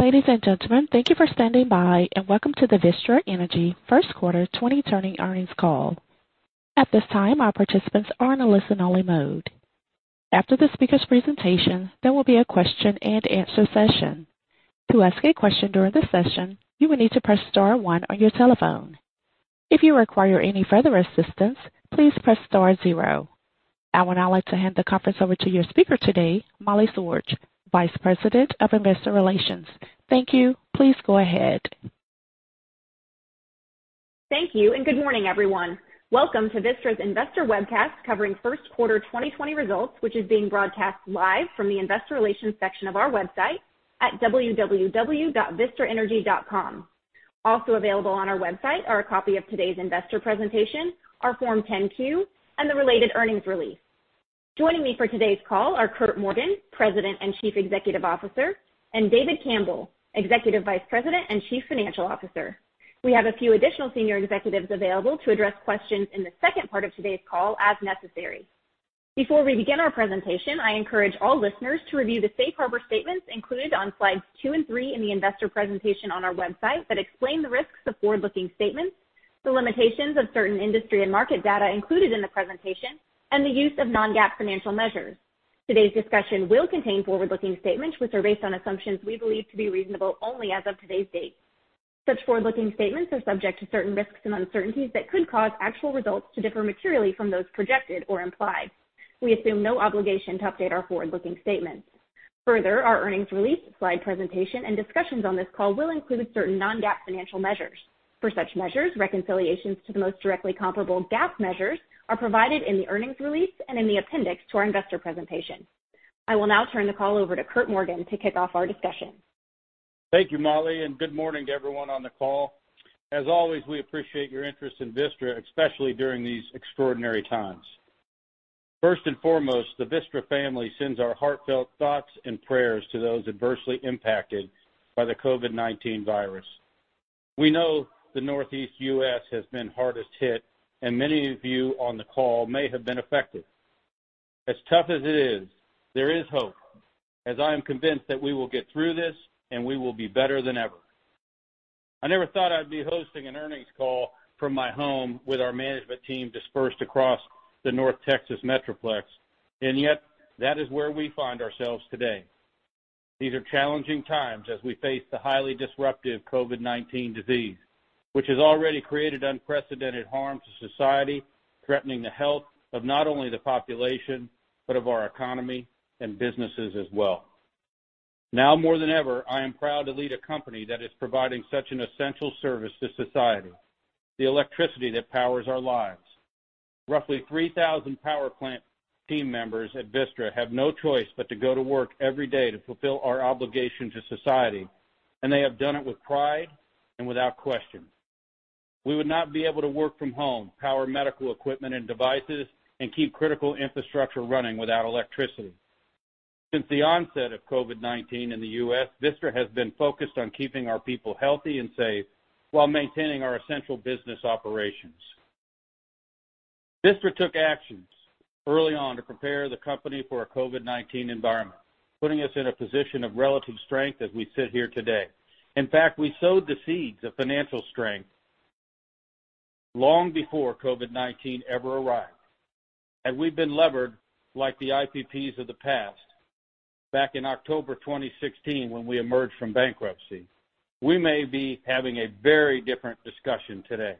Ladies and gentlemen, thank you for standing by and welcome to the Vistra Energy First Quarter 2020 Earnings Call. At this time, our participants are in a listen-only mode. After the speaker's presentation, there will be a question-and-answer session. To ask a question during the session, you will need to press star one on your telephone. If you require any further assistance, please press star zero. I would now like to hand the conference over to your speaker today, Molly Sorg, Vice President of Investor Relations. Thank you. Please go ahead. Thank you. Good morning, everyone. Welcome to Vistra's Investor Webcast covering first quarter 2020 results, which is being broadcast live from the investor relations section of our website at www.vistraenergy.com. Also available on our website are a copy of today's investor presentation, our Form 10-Q, and the related earnings release. Joining me for today's call are Curt Morgan, President and Chief Executive Officer, and David Campbell, Executive Vice President and Chief Financial Officer. We have a few additional senior executives available to address questions in the second part of today's call as necessary. Before we begin our presentation, I encourage all listeners to review the safe harbor statements included on slides two and three in the investor presentation on our website that explain the risks of forward-looking statements, the limitations of certain industry and market data included in the presentation, and the use of non-GAAP financial measures. Today's discussion will contain forward-looking statements, which are based on assumptions we believe to be reasonable only as of today's date. Such forward-looking statements are subject to certain risks and uncertainties that could cause actual results to differ materially from those projected or implied. We assume no obligation to update our forward-looking statements. Further, our earnings release, slide presentation, and discussions on this call will include certain non-GAAP financial measures. For such measures, reconciliations to the most directly comparable GAAP measures are provided in the earnings release and in the appendix to our investor presentation. I will now turn the call over to Curt Morgan to kick off our discussion. Thank you, Molly, and good morning to everyone on the call. As always, we appreciate your interest in Vistra, especially during these extraordinary times. First and foremost, the Vistra family sends our heartfelt thoughts and prayers to those adversely impacted by the COVID-19 virus. We know the Northeast U.S. has been hardest hit, and many of you on the call may have been affected. As tough as it is, there is hope, as I am convinced that we will get through this and we will be better than ever. I never thought I'd be hosting an earnings call from my home with our management team dispersed across the North Texas Metroplex, and yet that is where we find ourselves today. These are challenging times as we face the highly disruptive COVID-19 disease, which has already created unprecedented harm to society, threatening the health of not only the population, but of our economy and businesses as well. Now more than ever, I am proud to lead a company that is providing such an essential service to society, the electricity that powers our lives. Roughly 3,000 power plant team members at Vistra have no choice but to go to work every day to fulfill our obligation to society, and they have done it with pride and without question. We would not be able to work from home, power medical equipment and devices, and keep critical infrastructure running without electricity. Since the onset of COVID-19 in the U.S., Vistra has been focused on keeping our people healthy and safe while maintaining our essential business operations. Vistra took actions early on to prepare the company for a COVID-19 environment, putting us in a position of relative strength as we sit here today. In fact, we sowed the seeds of financial strength long before COVID-19 ever arrived. Had we been levered like the IPPs of the past back in October 2016 when we emerged from bankruptcy, we may be having a very different discussion today.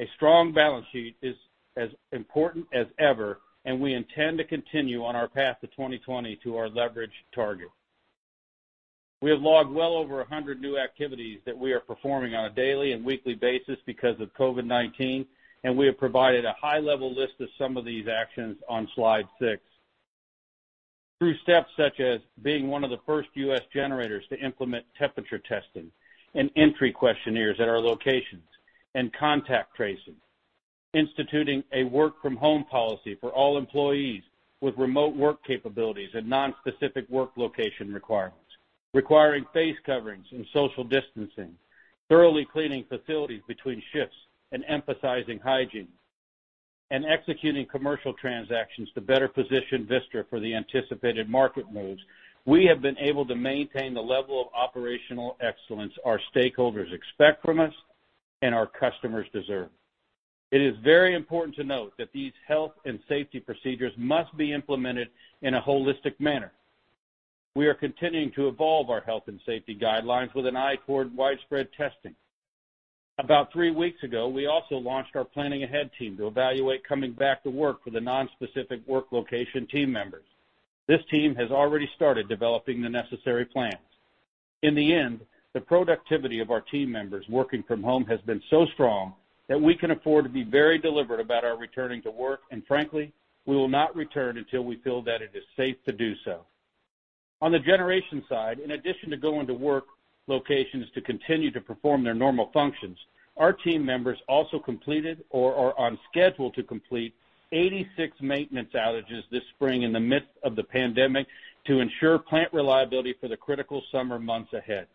A strong balance sheet is as important as ever, and we intend to continue on our path to 2020 to our leverage target. We have logged well over 100 new activities that we are performing on a daily and weekly basis because of COVID-19, and we have provided a high-level list of some of these actions on slide six. Through steps such as being one of the first U.S. generators to implement temperature testing and entry questionnaires at our locations and contact tracing, instituting a work-from-home policy for all employees with remote work capabilities and non-specific work location requirements, requiring face coverings and social distancing, thoroughly cleaning facilities between shifts and emphasizing hygiene, and executing commercial transactions to better position Vistra for the anticipated market moves, we have been able to maintain the level of operational excellence our stakeholders expect from us and our customers deserve. It is very important to note that these health and safety procedures must be implemented in a holistic manner. We are continuing to evolve our health and safety guidelines with an eye toward widespread testing. About three weeks ago, we also launched our planning ahead team to evaluate coming back to work for the nonspecific work location team members. This team has already started developing the necessary plans. In the end, the productivity of our team members working from home has been so strong that we can afford to be very deliberate about our returning to work, and frankly, we will not return until we feel that it is safe to do so. On the generation side, in addition to going to work locations to continue to perform their normal functions, our team members also completed or are on schedule to complete 86 maintenance outages this spring in the midst of the pandemic to ensure plant reliability for the critical summer months ahead.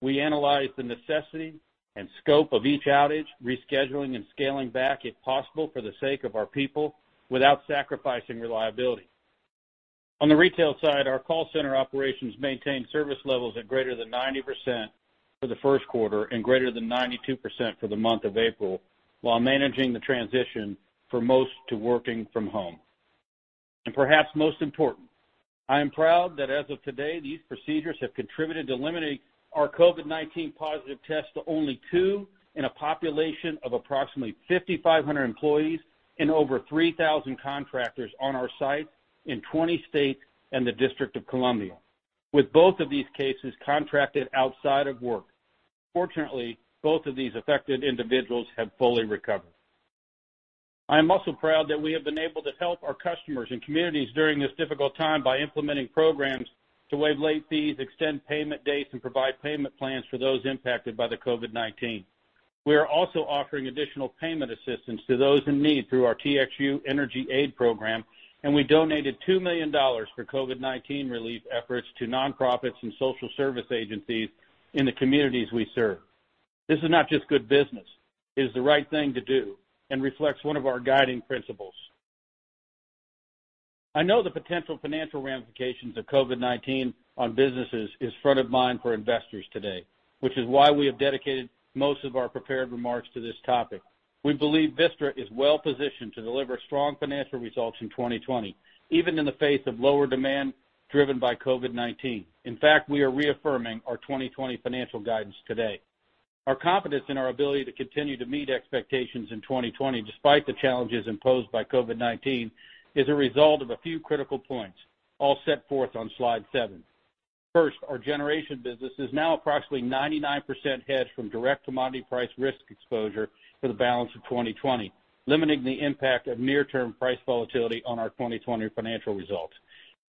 We analyze the necessity and scope of each outage, rescheduling and scaling back if possible for the sake of our people without sacrificing reliability. On the retail side, our call center operations maintain service levels at greater than 90% for the first quarter and greater than 92% for the month of April, while managing the transition for most to working from home. Perhaps most important, I am proud that as of today, these procedures have contributed to limiting our COVID-19 positive tests to only two in a population of approximately 5,500 employees and over 3,000 contractors on our site in 20 states and the District of Columbia, with both of these cases contracted outside of work. Fortunately, both of these affected individuals have fully recovered. I am also proud that we have been able to help our customers and communities during this difficult time by implementing programs to waive late fees, extend payment dates, and provide payment plans for those impacted by COVID-19. We are also offering additional payment assistance to those in need through our TXU Energy Aid program, and we donated $2 million for COVID-19 relief efforts to nonprofits and social service agencies in the communities we serve. This is not just good business. It is the right thing to do and reflects one of our guiding principles. I know the potential financial ramifications of COVID-19 on businesses is front of mind for investors today, which is why we have dedicated most of our prepared remarks to this topic. We believe Vistra is well-positioned to deliver strong financial results in 2020, even in the face of lower demand driven by COVID-19. In fact, we are reaffirming our 2020 financial guidance today. Our confidence in our ability to continue to meet expectations in 2020 despite the challenges imposed by COVID-19 is a result of a few critical points, all set forth on slide seven. First, our generation business is now approximately 99% hedged from direct commodity price risk exposure for the balance of 2020, limiting the impact of near-term price volatility on our 2020 financial results.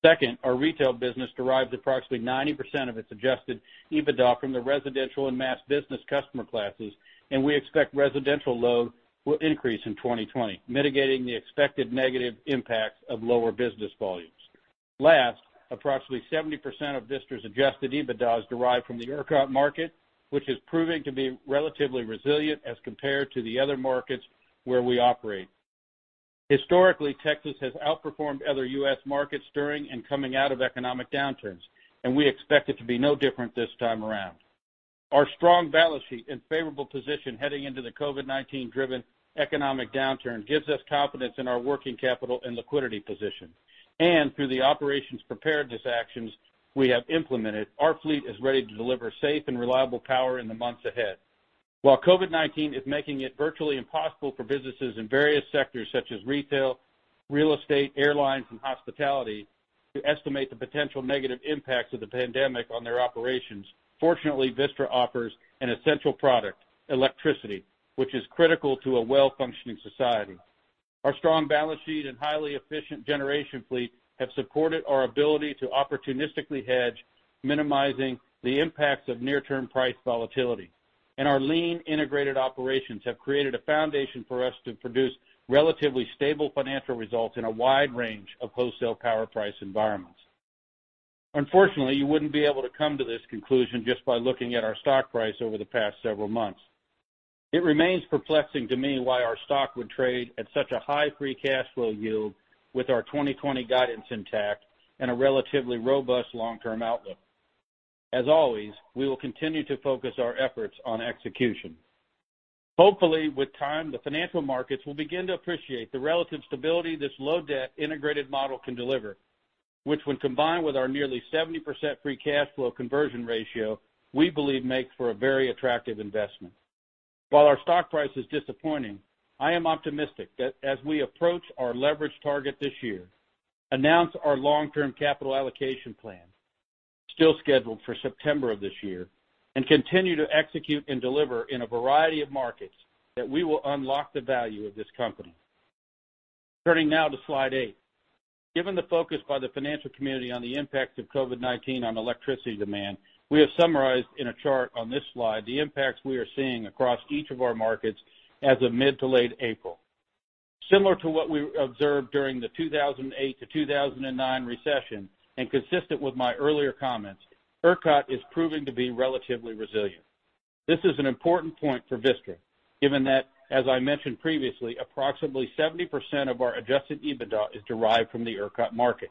Second, our retail business derives approximately 90% of its adjusted EBITDA from the residential and mass business customer classes, and we expect residential load will increase in 2020, mitigating the expected negative impacts of lower business volumes. Last, approximately 70% of Vistra's adjusted EBITDA is derived from the ERCOT market, which is proving to be relatively resilient as compared to the other markets where we operate. Historically, Texas has outperformed other U.S. Markets during and coming out of economic downturns, we expect it to be no different this time around. Our strong balance sheet and favorable position heading into the COVID-19-driven economic downturn gives us confidence in our working capital and liquidity position. Through the operations preparedness actions we have implemented, our fleet is ready to deliver safe and reliable power in the months ahead. While COVID-19 is making it virtually impossible for businesses in various sectors such as retail, real estate, airlines, and hospitality to estimate the potential negative impacts of the pandemic on their operations. Fortunately, Vistra offers an essential product, electricity, which is critical to a well-functioning society. Our strong balance sheet and highly efficient generation fleet have supported our ability to opportunistically hedge, minimizing the impacts of near-term price volatility. Our lean, integrated operations have created a foundation for us to produce relatively stable financial results in a wide range of wholesale power price environments. Unfortunately, you wouldn't be able to come to this conclusion just by looking at our stock price over the past several months. It remains perplexing to me why our stock would trade at such a high free cash flow yield with our 2020 guidance intact and a relatively robust long-term outlook. As always, we will continue to focus our efforts on execution. Hopefully, with time, the financial markets will begin to appreciate the relative stability this low-debt integrated model can deliver, which when combined with our nearly 70% free cash flow conversion ratio, we believe makes for a very attractive investment. While our stock price is disappointing, I am optimistic that as we approach our leverage target this year, announce our long-term capital allocation plan, still scheduled for September of this year, and continue to execute and deliver in a variety of markets, that we will unlock the value of this company. Turning now to slide eight. Given the focus by the financial community on the impact of COVID-19 on electricity demand, we have summarized in a chart on this slide the impacts we are seeing across each of our markets as of mid-to-late April. Similar to what we observed during the 2008-2009 recession and consistent with my earlier comments, ERCOT is proving to be relatively resilient. This is an important point for Vistra, given that, as I mentioned previously, approximately 70% of our adjusted EBITDA is derived from the ERCOT market.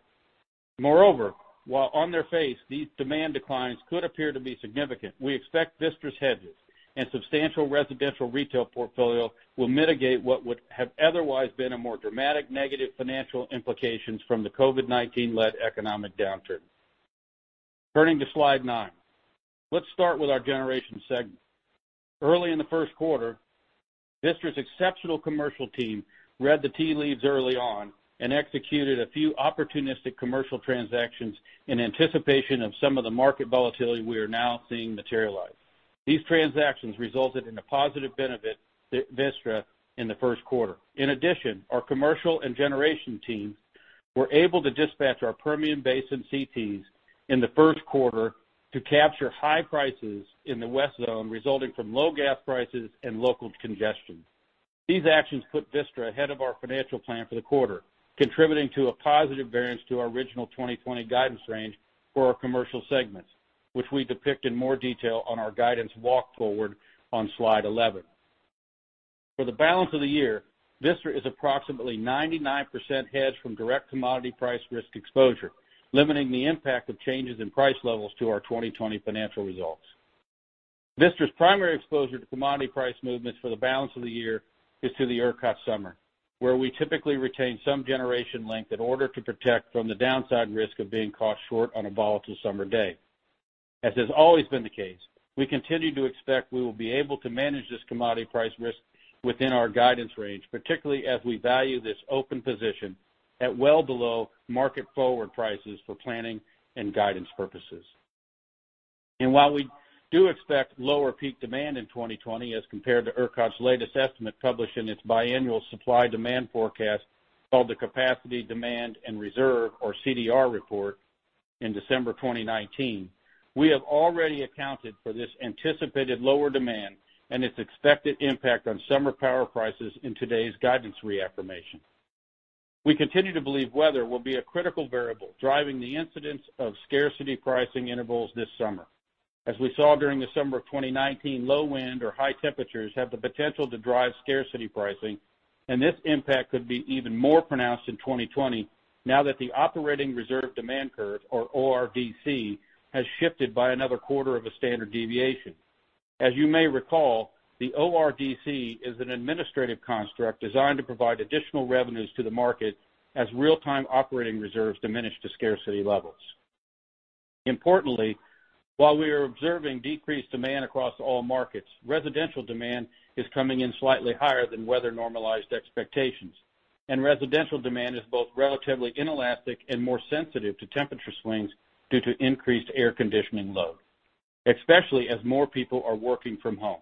Moreover, while on their face, these demand declines could appear to be significant, we expect Vistra's hedges and substantial residential retail portfolio will mitigate what would have otherwise been a more dramatic negative financial implications from the COVID-19-led economic downturn. Turning to slide nine. Let's start with our generation segment. Early in the first quarter, Vistra's exceptional commercial team read the tea leaves early on and executed a few opportunistic commercial transactions in anticipation of some of the market volatility we are now seeing materialize. These transactions resulted in a positive benefit to Vistra in the first quarter. In addition, our commercial and generation teams were able to dispatch our Permian Basin CTs in the first quarter to capture high prices in the West Zone resulting from low gas prices and local congestion. These actions put Vistra ahead of our financial plan for the quarter, contributing to a positive variance to our original 2020 guidance range for our commercial segments, which we depict in more detail on our guidance walk-forward on slide 11. For the balance of the year, Vistra is approximately 99% hedged from direct commodity price risk exposure, limiting the impact of changes in price levels to our 2020 financial results. Vistra's primary exposure to commodity price movements for the balance of the year is to the ERCOT summer, where we typically retain some generation length in order to protect from the downside risk of being caught short on a volatile summer day. As has always been the case, we continue to expect we will be able to manage this commodity price risk within our guidance range, particularly as we value this open position at well below market forward prices for planning and guidance purposes. While we do expect lower peak demand in 2020 as compared to ERCOT's latest estimate published in its biannual supply-demand forecast, called the Capacity, Demand, and Reserves, or CDR report, in December 2019, we have already accounted for this anticipated lower demand and its expected impact on summer power prices in today's guidance reaffirmation. We continue to believe weather will be a critical variable driving the incidence of scarcity pricing intervals this summer. As we saw during the summer of 2019, low wind or high temperatures have the potential to drive scarcity pricing, and this impact could be even more pronounced in 2020 now that the Operating Reserve Demand Curve, or ORDC, has shifted by another quarter of a standard deviation. As you may recall, the ORDC is an administrative construct designed to provide additional revenues to the market as real-time operating reserves diminish to scarcity levels. Importantly, while we are observing decreased demand across all markets, residential demand is coming in slightly higher than weather-normalized expectations, and residential demand is both relatively inelastic and more sensitive to temperature swings due to increased air conditioning load, especially as more people are working from home.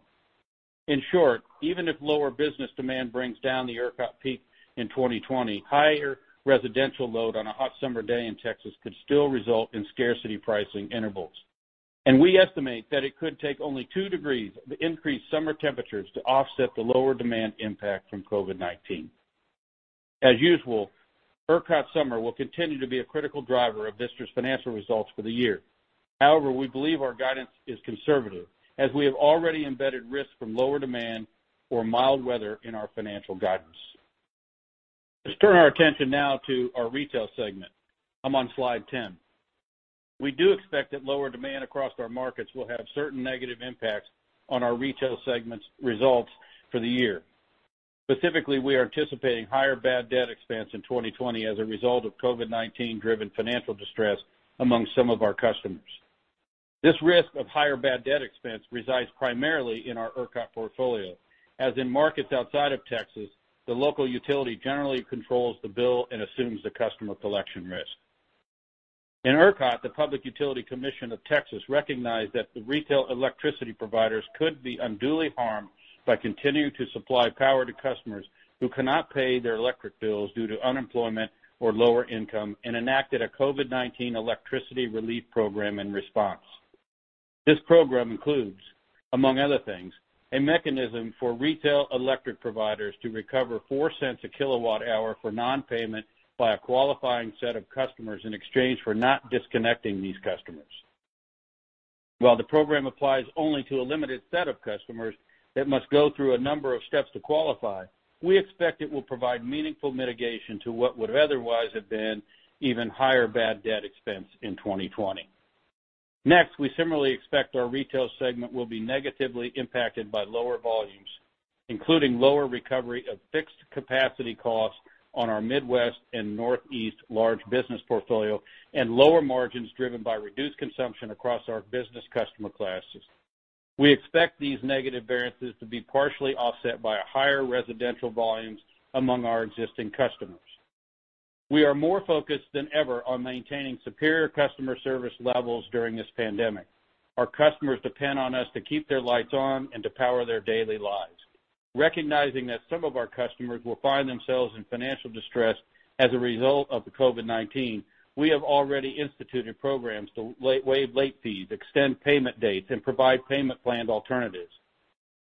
In short, even if lower business demand brings down the ERCOT peak in 2020, higher residential load on a hot summer day in Texas could still result in scarcity pricing intervals. We estimate that it could take only two degrees of increased summer temperatures to offset the lower demand impact from COVID-19. As usual, ERCOT summer will continue to be a critical driver of Vistra's financial results for the year. However, we believe our guidance is conservative, as we have already embedded risk from lower demand or mild weather in our financial guidance. Let's turn our attention now to our retail segment. I'm on slide 10. We do expect that lower demand across our markets will have certain negative impacts on our retail segment's results for the year. Specifically, we are anticipating higher bad debt expense in 2020 as a result of COVID-19-driven financial distress among some of our customers. This risk of higher bad debt expense resides primarily in our ERCOT portfolio, as in markets outside of Texas, the local utility generally controls the bill and assumes the customer collection risk. In ERCOT, the Public Utility Commission of Texas recognized that the retail electricity providers could be unduly harmed by continuing to supply power to customers who cannot pay their electric bills due to unemployment or lower income and enacted a COVID-19 Electricity Relief Program in response. This program includes, among other things, a mechanism for retail electric providers to recover $0.04 a kilowatt hour for non-payment by a qualifying set of customers in exchange for not disconnecting these customers. While the program applies only to a limited set of customers that must go through a number of steps to qualify, we expect it will provide meaningful mitigation to what would otherwise have been even higher bad debt expense in 2020. Next, we similarly expect our retail segment will be negatively impacted by lower volumes, including lower recovery of fixed capacity costs on our Midwest and Northeast large business portfolio and lower margins driven by reduced consumption across our business customer classes. We expect these negative variances to be partially offset by higher residential volumes among our existing customers. We are more focused than ever on maintaining superior customer service levels during this pandemic. Our customers depend on us to keep their lights on and to power their daily lives. Recognizing that some of our customers will find themselves in financial distress as a result of the COVID-19, we have already instituted programs to waive late fees, extend payment dates, and provide payment plan alternatives.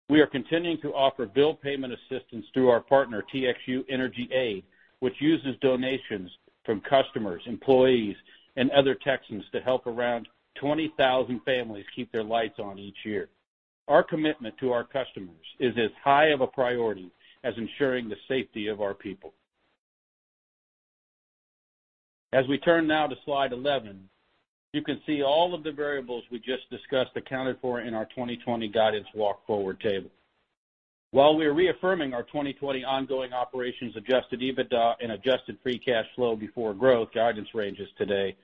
We are continuing to offer bill payment assistance through our partner, TXU Energy Aid, which uses donations from customers, employees, and other Texans to help around 20,000 families keep their lights on each year. Our commitment to our customers is as high of a priority as ensuring the safety of our people. As we turn now to slide 11, you can see all of the variables we just discussed accounted for in our 2020 guidance walk-forward table. We are reaffirming our 2020 ongoing operations adjusted EBITDA and adjusted free cash flow before growth guidance ranges today,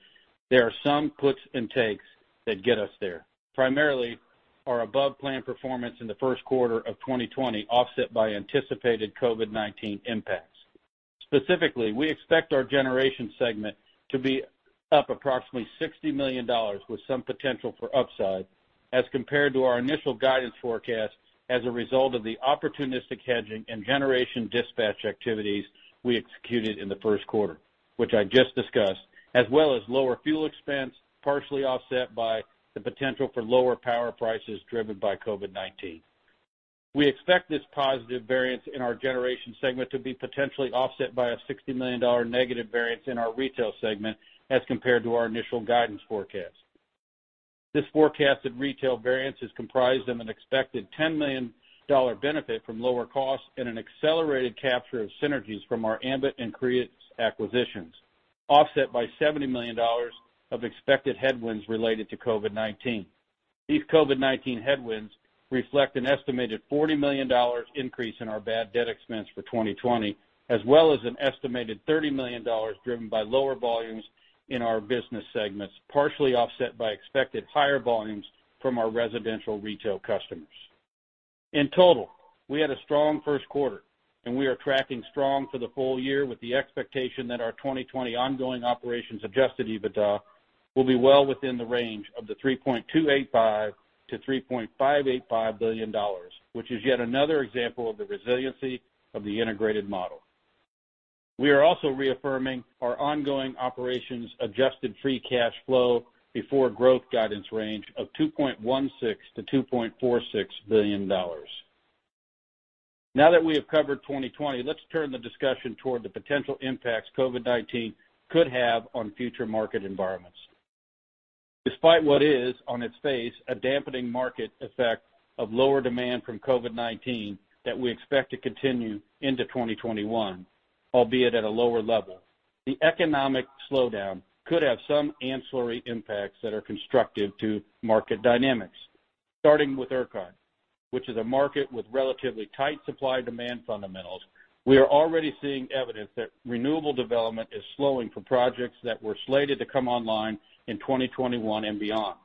there are some puts and takes that get us there. Primarily, our above-plan performance in the first quarter of 2020 offset by anticipated COVID-19 impacts. Specifically, we expect our Generation segment to be up approximately $60 million with some potential for upside as compared to our initial guidance forecast as a result of the opportunistic hedging and generation dispatch activities we executed in the first quarter, which I just discussed, as well as lower fuel expense, partially offset by the potential for lower power prices driven by COVID-19. We expect this positive variance in our Generation segment to be potentially offset by a $60 million negative variance in our Retail segment as compared to our initial guidance forecast. This forecasted retail variance is comprised of an expected $10 million benefit from lower costs and an accelerated capture of synergies from our Ambit and Crius acquisitions, offset by $70 million of expected headwinds related to COVID-19. These COVID-19 headwinds reflect an estimated $40 million increase in our bad debt expense for 2020, as well as an estimated $30 million driven by lower volumes in our business segments, partially offset by expected higher volumes from our residential retail customers. In total, we had a strong first quarter and we are tracking strong for the full year with the expectation that our 2020 ongoing operations adjusted EBITDA will be well within the range of the $3.285 billion-$3.585 billion, which is yet another example of the resiliency of the integrated model. We are also reaffirming our ongoing operations adjusted free cash flow before growth guidance range of $2.16 billion-$2.46 billion. Now that we have covered 2020, let's turn the discussion toward the potential impacts COVID-19 could have on future market environments. Despite what is, on its face, a dampening market effect of lower demand from COVID-19 that we expect to continue into 2021, albeit at a lower level, the economic slowdown could have some ancillary impacts that are constructive to market dynamics. Starting with ERCOT, which is a market with relatively tight supply-demand fundamentals, we are already seeing evidence that renewable development is slowing for projects that were slated to come online in 2021 and beyond.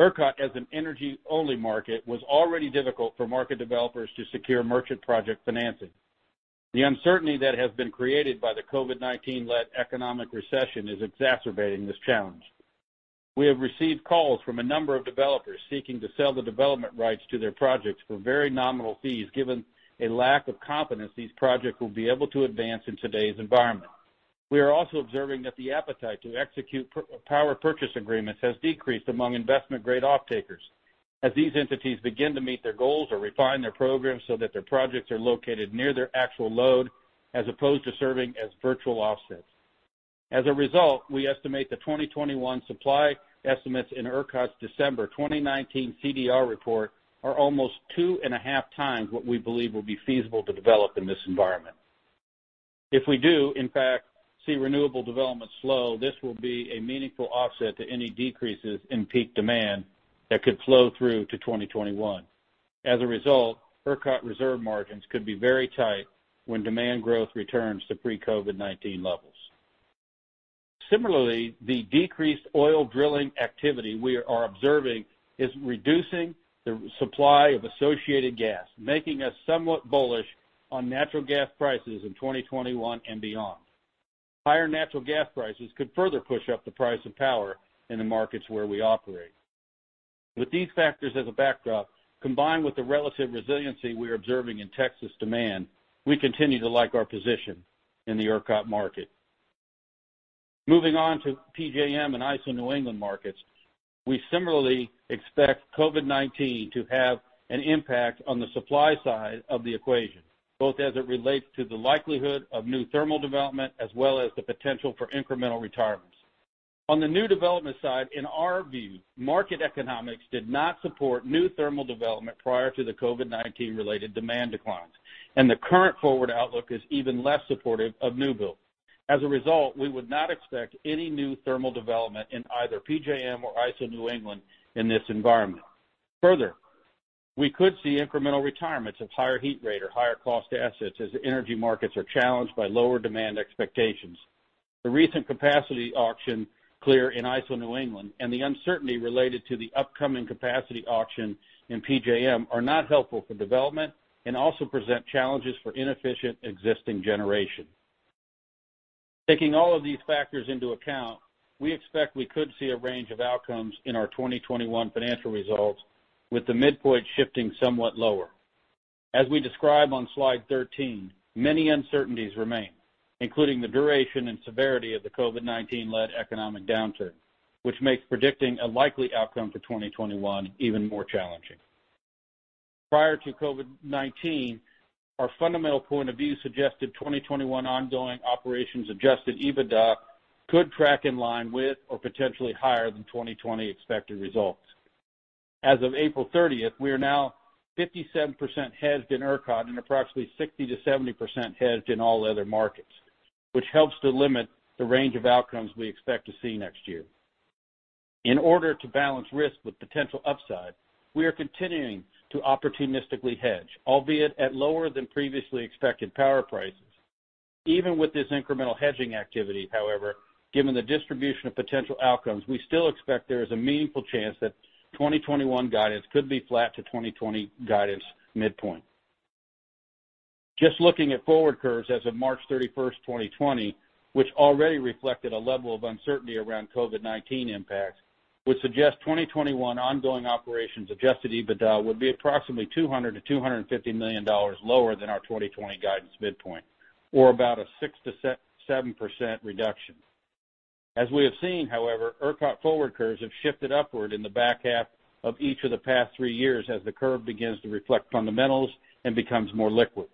ERCOT as an energy-only market was already difficult for market developers to secure merchant project financing. The uncertainty that has been created by the COVID-19-led economic recession is exacerbating this challenge. We have received calls from a number of developers seeking to sell the development rights to their projects for very nominal fees, given a lack of confidence these projects will be able to advance in today's environment. We are also observing that the appetite to execute power purchase agreements has decreased among investment-grade off-takers as these entities begin to meet their goals or refine their programs so that their projects are located near their actual load as opposed to serving as virtual offsets. As a result, we estimate the 2021 supply estimates in ERCOT's December 2019 CDR report are almost two and a half times what we believe will be feasible to develop in this environment. If we do, in fact, see renewable development slow, this will be a meaningful offset to any decreases in peak demand that could flow through to 2021. As a result, ERCOT reserve margins could be very tight when demand growth returns to pre-COVID-19 levels. Similarly, the decreased oil drilling activity we are observing is reducing the supply of associated gas, making us somewhat bullish on natural gas prices in 2021 and beyond. Higher natural gas prices could further push up the price of power in the markets where we operate. With these factors as a backdrop, combined with the relative resiliency we are observing in Texas demand, we continue to like our position in the ERCOT market. Moving on to PJM and ISO New England markets, we similarly expect COVID-19 to have an impact on the supply side of the equation, both as it relates to the likelihood of new thermal development as well as the potential for incremental retirements. On the new development side, in our view, market economics did not support new thermal development prior to the COVID-19-related demand declines, and the current forward outlook is even less supportive of new build. As a result, we would not expect any new thermal development in either PJM or ISO New England in this environment. Further, we could see incremental retirements of higher heat rate or higher cost assets as energy markets are challenged by lower demand expectations. The recent capacity auction clear in ISO New England and the uncertainty related to the upcoming capacity auction in PJM are not helpful for development and also present challenges for inefficient existing generation. Taking all of these factors into account, we expect we could see a range of outcomes in our 2021 financial results with the midpoint shifting somewhat lower. As we describe on slide 13, many uncertainties remain, including the duration and severity of the COVID-19-led economic downturn, which makes predicting a likely outcome for 2021 even more challenging. Prior to COVID-19, our fundamental point of view suggested 2021 ongoing operations adjusted EBITDA could track in line with or potentially higher than 2020 expected results. As of April 30th, we are now 57% hedged in ERCOT and approximately 60%-70% hedged in all other markets, which helps to limit the range of outcomes we expect to see next year. In order to balance risk with potential upside, we are continuing to opportunistically hedge, albeit at lower than previously expected power prices. Even with this incremental hedging activity, however, given the distribution of potential outcomes, we still expect there is a meaningful chance that 2021 guidance could be flat to 2020 guidance midpoint. Just looking at forward curves as of March 31st, 2020, which already reflected a level of uncertainty around COVID-19 impacts, would suggest 2021 ongoing operations adjusted EBITDA would be approximately $200 million-$250 million lower than our 2020 guidance midpoint, or about a 6%-7% reduction. As we have seen, however, ERCOT forward curves have shifted upward in the back half of each of the past three years as the curve begins to reflect fundamentals and becomes more liquid.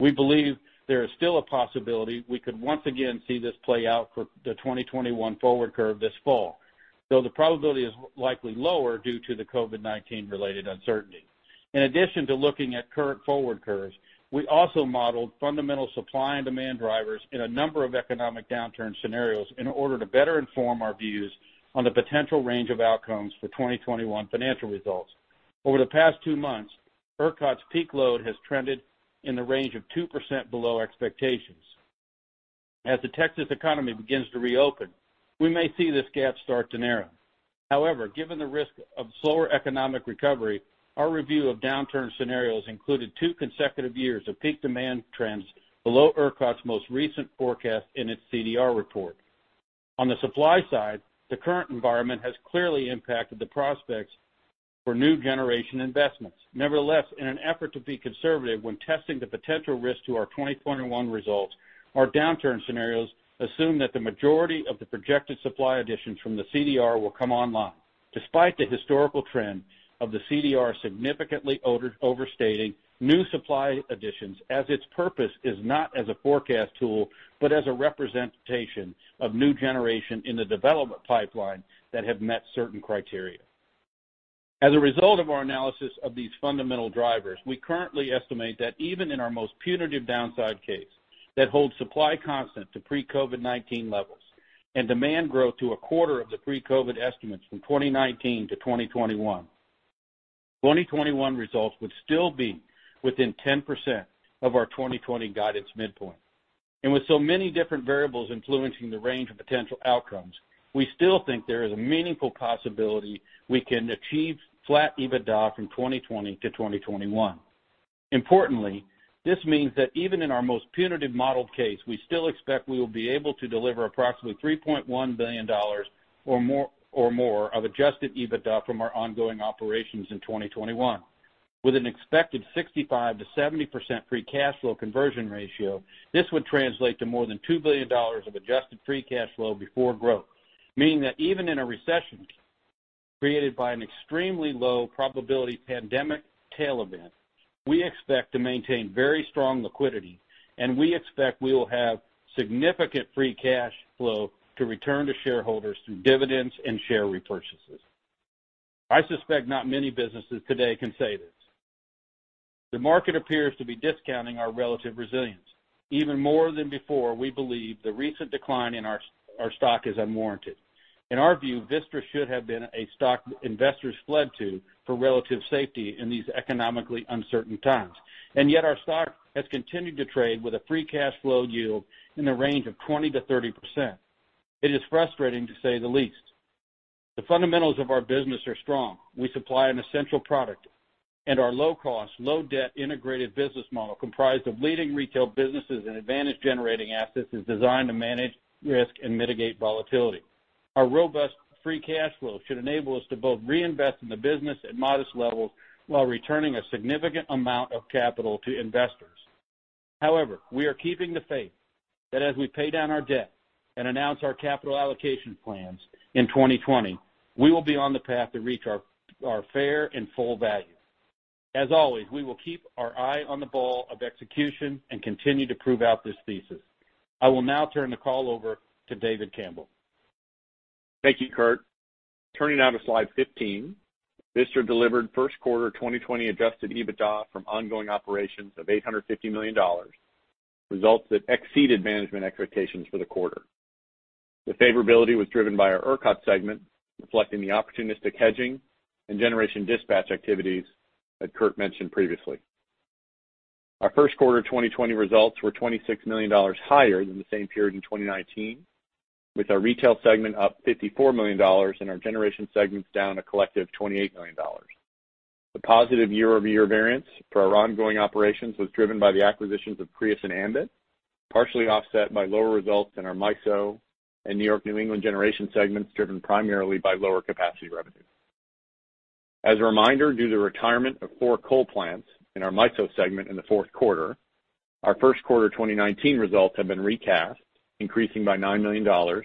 We believe there is still a possibility we could once again see this play out for the 2021 forward curve this fall, though the probability is likely lower due to the COVID-19 related uncertainty. In addition to looking at current forward curves, we also modeled fundamental supply and demand drivers in a number of economic downturn scenarios in order to better inform our views on the potential range of outcomes for 2021 financial results. Over the past two months, ERCOT's peak load has trended in the range of 2% below expectations. As the Texas economy begins to reopen, we may see this gap start to narrow. However, given the risk of slower economic recovery, our review of downturn scenarios included two consecutive years of peak demand trends below ERCOT's most recent forecast in its CDR report. On the supply side, the current environment has clearly impacted the prospects for new generation investments. Nevertheless, in an effort to be conservative when testing the potential risk to our 2021 results, our downturn scenarios assume that the majority of the projected supply additions from the CDR will come online. Despite the historical trend of the CDR significantly overstating new supply additions, as its purpose is not as a forecast tool, but as a representation of new generation in the development pipeline that have met certain criteria. As a result of our analysis of these fundamental drivers, we currently estimate that even in our most punitive downside case, that holds supply constant to pre-COVID-19 levels and demand growth to a quarter of the pre-COVID-19 estimates from 2019-2021. 2021 results would still be within 10% of our 2020 guidance midpoint. With so many different variables influencing the range of potential outcomes, we still think there is a meaningful possibility we can achieve flat EBITDA from 2020-2021. Importantly, this means that even in our most punitive modeled case, we still expect we will be able to deliver approximately $3.1 billion or more of adjusted EBITDA from our ongoing operations in 2021. With an expected 65%-70% free cash flow conversion ratio, this would translate to more than $2 billion of adjusted free cash flow before growth. Meaning that even in a recession created by an extremely low probability pandemic tail event, we expect to maintain very strong liquidity, and we expect we will have significant free cash flow to return to shareholders through dividends and share repurchases. I suspect not many businesses today can say this. The market appears to be discounting our relative resilience. Even more than before, we believe the recent decline in our stock is unwarranted. In our view, Vistra should have been a stock investors fled to for relative safety in these economically uncertain times. Yet our stock has continued to trade with a free cash flow yield in the range of 20%-30%. It is frustrating to say the least. The fundamentals of our business are strong. We supply an essential product. Our low cost, low debt integrated business model comprised of leading retail businesses and advantage generating assets is designed to manage risk and mitigate volatility. Our robust free cash flow should enable us to both reinvest in the business at modest levels while returning a significant amount of capital to investors. However, we are keeping the faith that as we pay down our debt and announce our capital allocation plans in 2020, we will be on the path to reach our fair and full value. As always, we will keep our eye on the ball of execution and continue to prove out this thesis. I will now turn the call over to David Campbell. Thank you, Curt. Turning now to slide 15. Vistra delivered first quarter 2020 adjusted EBITDA from ongoing operations of $850 million, results that exceeded management expectations for the quarter. The favorability was driven by our ERCOT segment, reflecting the opportunistic hedging and generation dispatch activities that Curt mentioned previously. Our first quarter 2020 results were $26 million higher than the same period in 2019, with our retail segment up $54 million and our generation segments down a collective $28 million. The positive year-over-year variance for our ongoing operations was driven by the acquisitions of Crius and Ambit, partially offset by lower results in our MISO and New York, New England generation segments, driven primarily by lower capacity revenue. As a reminder, due to the retirement of four coal plants in our MISO segment in the fourth quarter, our first quarter 2019 results have been recast, increasing by $9 million to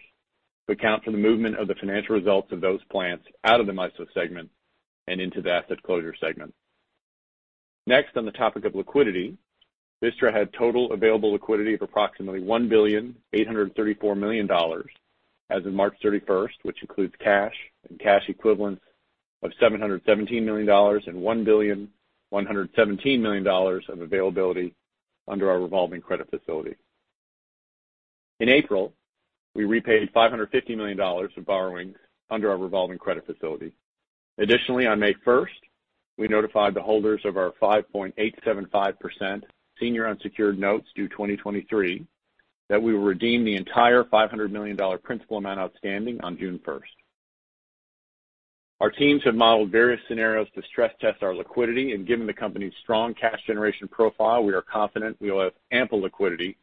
account for the movement of the financial results of those plants out of the MISO segment and into the Asset Closure Segment. On the topic of liquidity, Vistra had total available liquidity of approximately $1,834,000,000 as of March 31st, which includes cash and cash equivalents of $717 million and $1,117,000,000 of availability under our revolving credit facility. In April, we repaid $550 million of borrowings under our revolving credit facility. On May 1st, we notified the holders of our 5.875% senior unsecured notes due 2023 that we will redeem the entire $500 million principal amount outstanding on June 1st. Our teams have modeled various scenarios to stress test our liquidity. Given the company's strong cash generation profile, we are confident we will have ample liquidity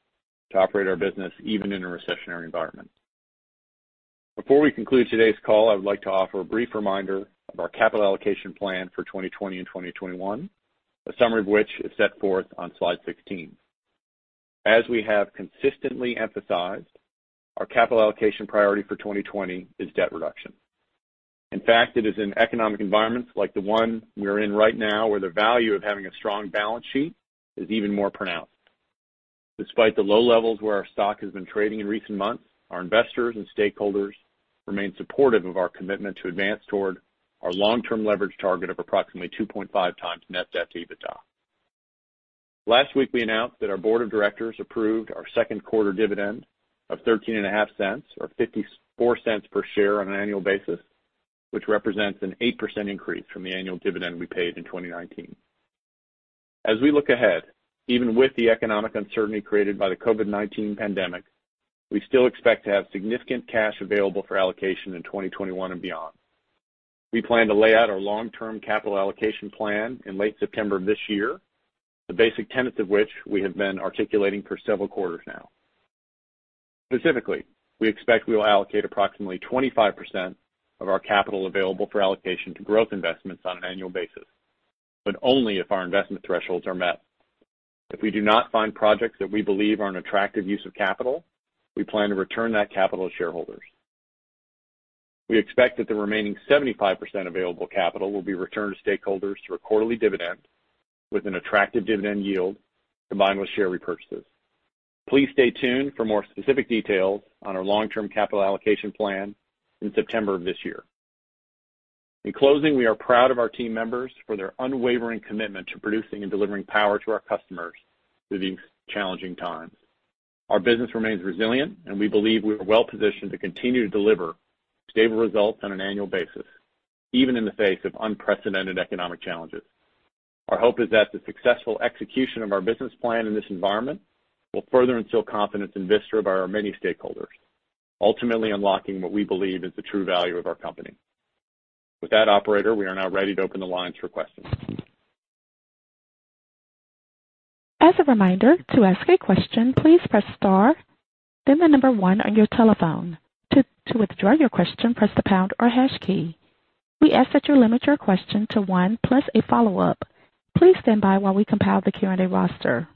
to operate our business even in a recessionary environment. Before we conclude today's call, I would like to offer a brief reminder of our capital allocation plan for 2020 and 2021, a summary of which is set forth on slide 16. As we have consistently emphasized, our capital allocation priority for 2020 is debt reduction. In fact, it is in economic environments like the one we are in right now, where the value of having a strong balance sheet is even more pronounced. Despite the low levels where our stock has been trading in recent months, our investors and stakeholders remain supportive of our commitment to advance toward our long-term leverage target of approximately 2.5x net debt EBITDA. Last week, we announced that our board of directors approved our second quarter dividend of $0.135, or $0.54 per share on an annual basis, which represents an 8% increase from the annual dividend we paid in 2019. As we look ahead, even with the economic uncertainty created by the COVID-19 pandemic, we still expect to have significant cash available for allocation in 2021 and beyond. We plan to lay out our long-term capital allocation plan in late September of this year, the basic tenets of which we have been articulating for several quarters now. Specifically, we expect we will allocate approximately 25% of our capital available for allocation to growth investments on an annual basis, only if our investment thresholds are met. If we do not find projects that we believe are an attractive use of capital, we plan to return that capital to shareholders. We expect that the remaining 75% available capital will be returned to stakeholders through a quarterly dividend with an attractive dividend yield combined with share repurchases. Please stay tuned for more specific details on our long-term capital allocation plan in September of this year. In closing, we are proud of our team members for their unwavering commitment to producing and delivering power to our customers through these challenging times. Our business remains resilient, we believe we are well-positioned to continue to deliver stable results on an annual basis, even in the face of unprecedented economic challenges. Our hope is that the successful execution of our business plan in this environment will further instill confidence in Vistra by our many stakeholders, ultimately unlocking what we believe is the true value of our company. With that, operator, we are now ready to open the lines for questions. As a reminder, to ask a question, please press star then the number 1 on your telephone. To withdraw your question, press the pound or hash key. We ask that you limit your question to one plus a follow-up. Please stand by while we compile the Q&A roster.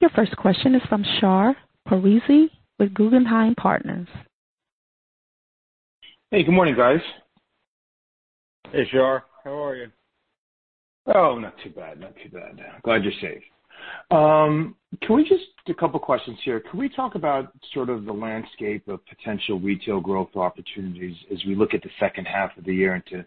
Your first question is from Shar Pourreza with Guggenheim Partners. Hey, good morning, guys. Hey, Shar. How are you? Oh, not too bad. Glad you're safe. A couple of questions here. Can we talk about sort of the landscape of potential retail growth opportunities as we look at the second half of the year into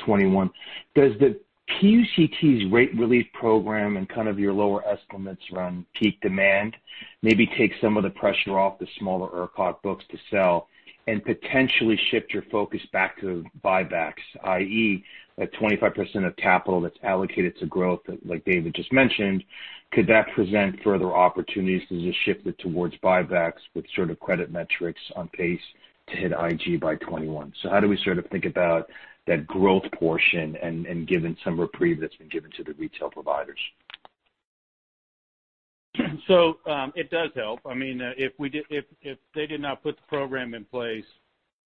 2021? Does the PUCT's rate relief program and kind of your lower estimates around peak demand maybe take some of the pressure off the smaller ERCOT books to sell and potentially shift your focus back to buybacks, i.e., that 25% of capital that's allocated to growth, like David just mentioned, could that present further opportunities? Does it shift it towards buybacks with sort of credit metrics on pace to hit IG by 2021? How do we sort of think about that growth portion and given some reprieve that's been given to the retail providers? It does help. If they did not put the program in place,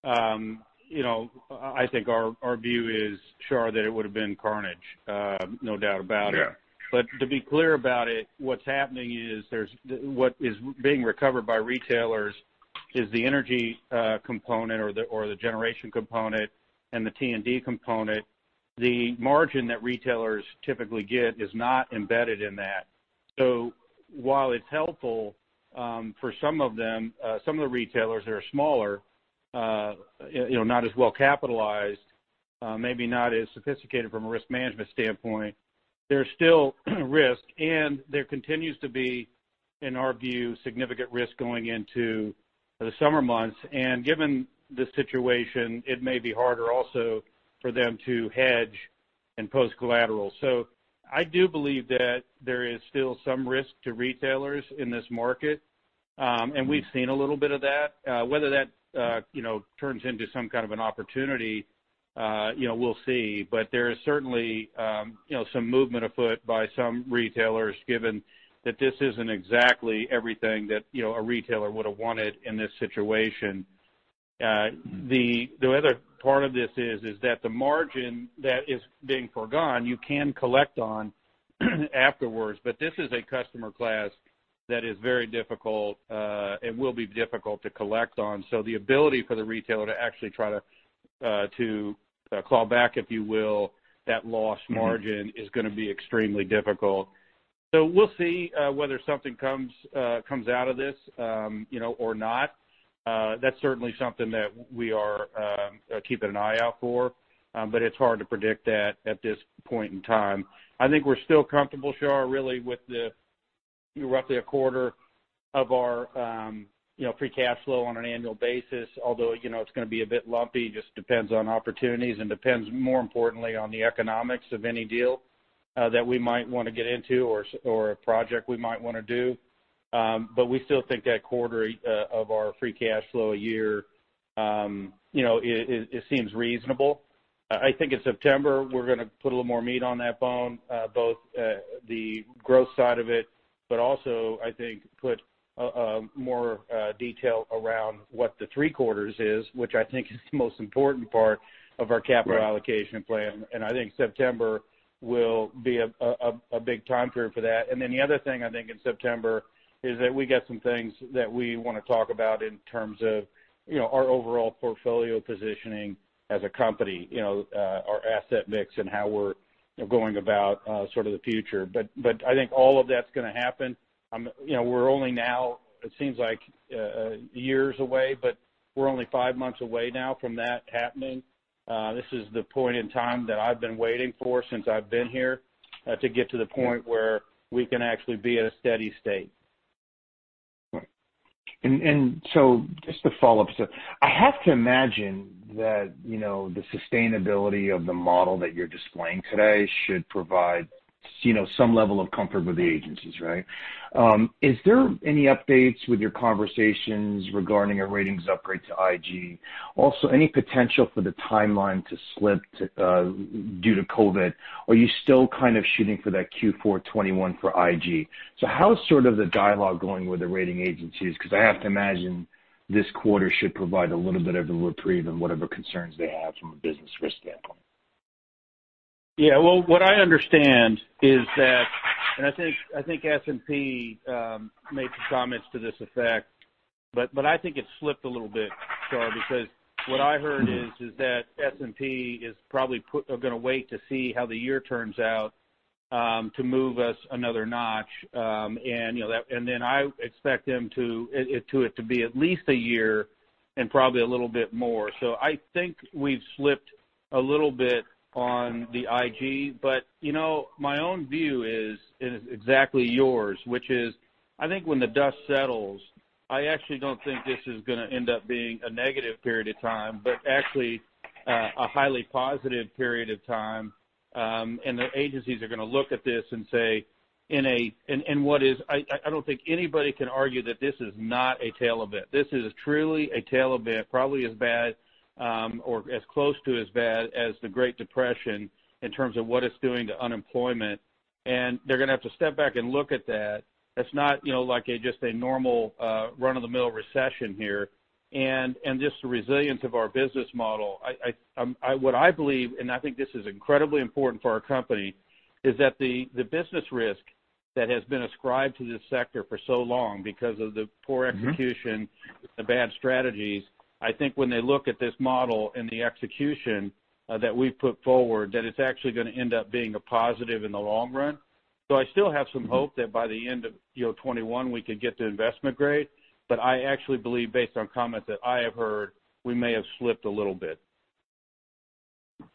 I think our view is, Shar, that it would have been carnage. No doubt about it. Yeah. To be clear about it, what's happening is what is being recovered by retailers is the energy component or the generation component and the T&D component. The margin that retailers typically get is not embedded in that. While it's helpful for some of them, some of the retailers that are smaller, not as well-capitalized, maybe not as sophisticated from a risk management standpoint, there's still risk. There continues to be, in our view, significant risk going into the summer months. Given the situation, it may be harder also for them to hedge and post collateral. I do believe that there is still some risk to retailers in this market, and we've seen a little bit of that. Whether that turns into some kind of an opportunity, we'll see. There is certainly some movement afoot by some retailers given that this isn't exactly everything that a retailer would have wanted in this situation. The other part of this is that the margin that is being forgone, you can collect on afterwards. This is a customer class that is very difficult and will be difficult to collect on. The ability for the retailer to actually try to claw back, if you will, that lost margin is going to be extremely difficult. We'll see whether something comes out of this or not. That's certainly something that we are keeping an eye out for, but it's hard to predict that at this point in time. I think we're still comfortable, Shar, really with the roughly a quarter of our free cash flow on an annual basis. It's going to be a bit lumpy, just depends on opportunities and depends, more importantly, on the economics of any deal that we might want to get into or a project we might want to do. We still think that quarter of our free cash flow a year seems reasonable. I think in September, we're going to put a little more meat on that bone both the growth side of it. Also, I think, put more detail around what the three quarters is, which I think is the most important part of our capital allocation plan. I think September will be a big time period for that. The other thing, I think in September is that we got some things that we want to talk about in terms of our overall portfolio positioning as a company. Our asset mix and how we're going about the future. I think all of that's going to happen. We're only now, it seems like years away, but we're only five months away now from that happening. This is the point in time that I've been waiting for since I've been here to get to the point where we can actually be at a steady state. Right. Just a follow-up. I have to imagine that the sustainability of the model that you're displaying today should provide some level of comfort with the agencies, right? Is there any updates with your conversations regarding a ratings upgrade to IG? Any potential for the timeline to slip due to COVID? Are you still kind of shooting for that Q4 2021 for IG? How's sort of the dialogue going with the rating agencies? I have to imagine this quarter should provide a little bit of a reprieve in whatever concerns they have from a business risk standpoint. Well, what I understand is that, and I think S&P made some comments to this effect, but I think it slipped a little bit, Charles, because what I heard is that S&P is probably going to wait to see how the year turns out to move us another notch. Then I expect it to be at least a year and probably a little bit more. I think we've slipped a little bit on the IG. My own view is exactly yours, which is, I think when the dust settles, I actually don't think this is going to end up being a negative period of time, but actually a highly positive period of time. The agencies are going to look at this and say I don't think anybody can argue that this is not a tale of it. This is truly a tale of it, probably as bad or as close to as bad as the Great Depression in terms of what it's doing to unemployment. They're going to have to step back and look at that. It's not like just a normal run-of-the-mill recession here. Just the resilience of our business model. What I believe, and I think this is incredibly important for our company, is that the business risk that has been ascribed to this sector for so long because of the poor execution, the bad strategies. I think when they look at this model and the execution that we've put forward, that it's actually going to end up being a positive in the long run. I still have some hope that by the end of 2021, we could get to investment grade. I actually believe based on comments that I have heard, we may have slipped a little bit.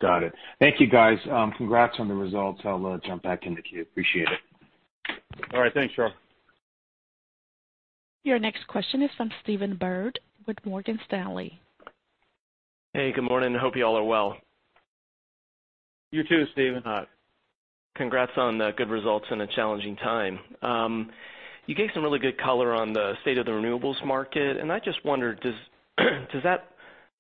Got it. Thank you guys. Congrats on the results. I'll jump back in the queue. Appreciate it. All right. Thanks, Shar. Your next question is from Stephen Byrd with Morgan Stanley. Hey, good morning. Hope you all are well. You too, Stephen. Congrats on the good results in a challenging time. You gave some really good color on the state of the renewables market, and I just wondered, does that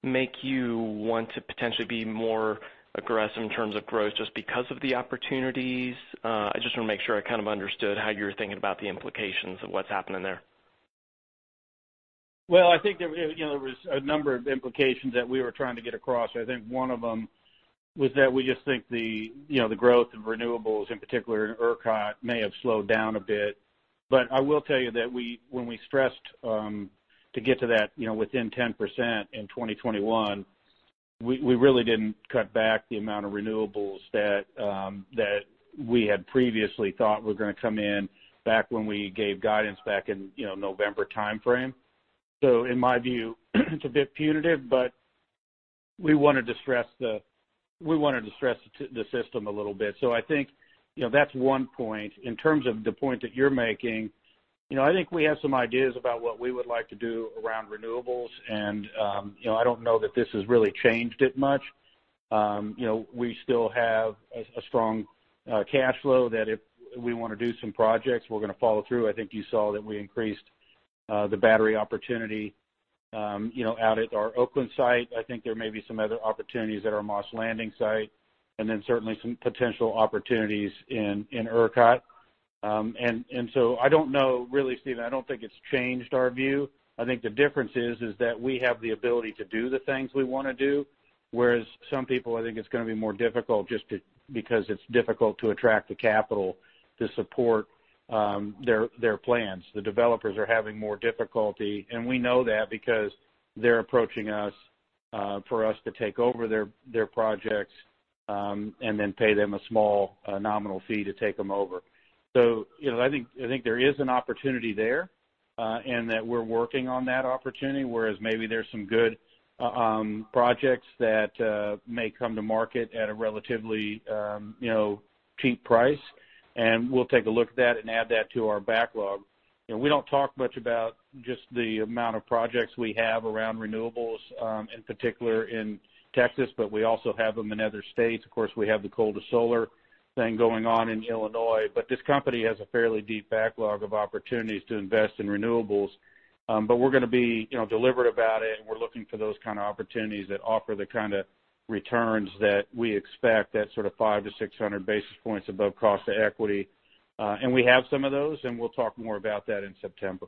make you want to potentially be more aggressive in terms of growth just because of the opportunities? I just want to make sure I kind of understood how you're thinking about the implications of what's happening there. Well, I think there was a number of implications that we were trying to get across. I think one of them was that we just think the growth of renewables, in particular in ERCOT, may have slowed down a bit. I will tell you that when we stressed to get to that within 10% in 2021, we really didn't cut back the amount of renewables that we had previously thought were going to come in back when we gave guidance back in November timeframe. In my view, it's a bit punitive, but we wanted to stress the system a little bit. I think that's one point. In terms of the point that you're making, I think we have some ideas about what we would like to do around renewables, and I don't know that this has really changed it much. We still have a strong cash flow that if we want to do some projects, we're going to follow through. I think you saw that we increased the battery opportunity out at our Oakland site. I think there may be some other opportunities at our Moss Landing site, and then certainly some potential opportunities in ERCOT. I don't know really, Stephen. I don't think it's changed our view. I think the difference is that we have the ability to do the things we want to do, whereas some people, I think it's going to be more difficult just because it's difficult to attract the capital to support their plans. The developers are having more difficulty, and we know that because they're approaching us for us to take over their projects and then pay them a small nominal fee to take them over. I think there is an opportunity there, and that we're working on that opportunity, whereas maybe there's some good projects that may come to market at a relatively cheap price, and we'll take a look at that and add that to our backlog. We don't talk much about just the amount of projects we have around renewables, in particular in Texas, but we also have them in other states. Of course, we have the Coal to Solar thing going on in Illinois. This company has a fairly deep backlog of opportunities to invest in renewables. We're going to be deliberate about it. We're looking for those kind of opportunities that offer the kind of returns that we expect, that sort of 500 basis points-600 basis points above cost of equity. We have some of those, and we'll talk more about that in September.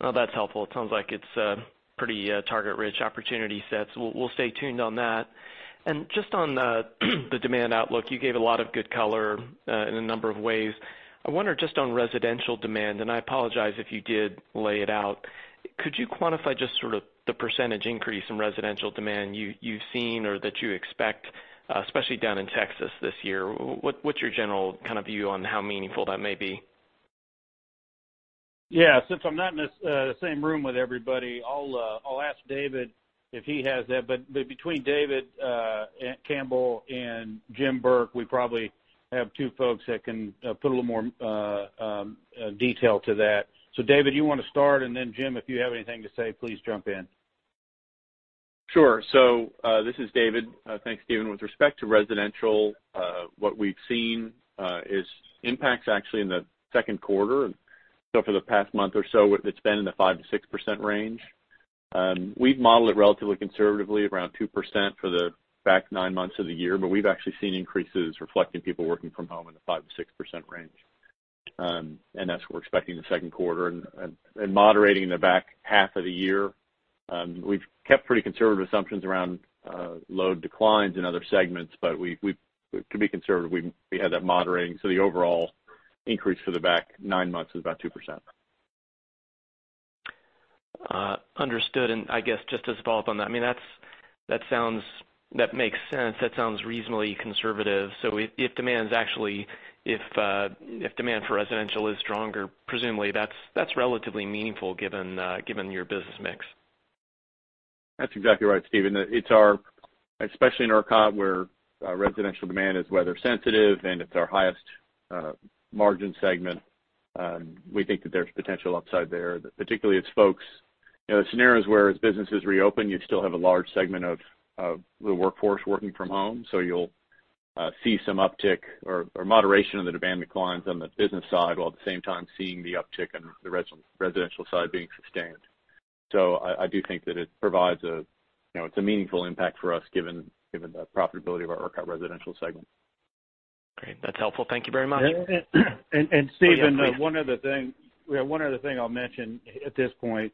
Well, that's helpful. It sounds like it's a pretty target-rich opportunity set, so we'll stay tuned on that. Just on the demand outlook, you gave a lot of good color in a number of ways. I wonder just on residential demand, and I apologize if you did lay it out. Could you quantify just sort of the percentage increase in residential demand you've seen or that you expect, especially down in Texas this year? What's your general kind of view on how meaningful that may be? Yeah. Since I'm not in the same room with everybody, I'll ask David if he has that. Between David Campbell and Jim Burke, we probably have two folks that can put a little more detail to that. David, you want to start, and then Jim, if you have anything to say, please jump in. Sure. This is David. Thanks, Stephen. With respect to residential, what we've seen is impacts actually in the second quarter. For the past month or so, it's been in the 5%-6% range. We've modeled it relatively conservatively around 2% for the back nine months of the year, but we've actually seen increases reflecting people working from home in the 5%-6% range. That's what we're expecting in the second quarter and moderating in the back half of the year. We've kept pretty conservative assumptions around load declines in other segments, but to be conservative, we had that moderating. The overall increase for the back nine months is about 2%. Understood. I guess just to follow up on that makes sense. That sounds reasonably conservative. If demand for residential is stronger, presumably that's relatively meaningful given your business mix. That's exactly right, Stephen. Especially in ERCOT where our residential demand is weather sensitive and it's our highest margin segment, we think that there's potential upside there. Particularly as the scenarios where as businesses reopen, you still have a large segment of the workforce working from home. You'll see some uptick or moderation in the demand declines on the business side, while at the same time seeing the uptick in the residential side being sustained. I do think that it's a meaningful impact for us given the profitability of our ERCOT residential segment. Great. That's helpful. Thank you very much. Stephen. Yeah, please. One other thing I'll mention at this point.